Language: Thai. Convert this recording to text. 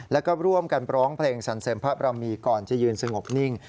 แล้วก็ร่วมกันร้องเพลงสรรเสริมพระบรมีก่อนจะยืนสงบนิ่ง